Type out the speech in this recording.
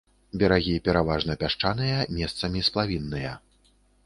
Берагі пераважна пясчаныя, месцамі сплавінныя.